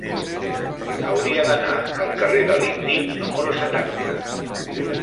Hauria d'anar al carrer de l'Índic número setanta.